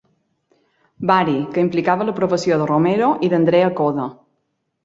Bari, que implicava l'aprovació de Romero i d'Andrea Coda.